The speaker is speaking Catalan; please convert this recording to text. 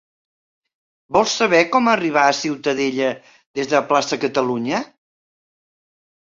Vol saber com arribar a Ciutadella des de Plaça Catalunya?